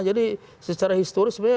jadi secara historis sebenarnya